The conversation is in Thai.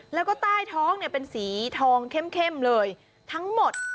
แล้วก็ใต้ท้องเนี่ยเป็นสีทองเข้มเลยทั้งหมด